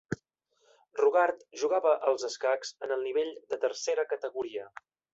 Rogard jugava als escacs en el nivell de tercera categoria.